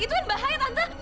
itu bahaya tante